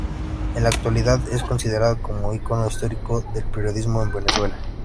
En la actualidad es considerado un ícono histórico del periodismo en Venezuela.